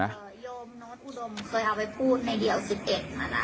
โยมโนธอุดมเคยเอาไปพูดในเดียว๑๑มานะ